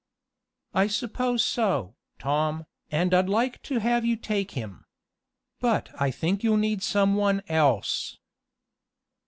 "I suppose so, Tom, and I'd like to have you take him. But I think you'll need some one else."